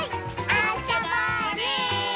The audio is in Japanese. あそぼうね！